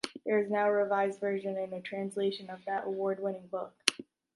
There is now a revised version and a translation of that award-winning book.